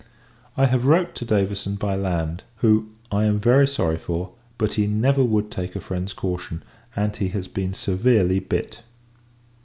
I have wrote to Davison, by land: who, I am very sorry for; but, he never would take a friend's caution, and he has been severely bit.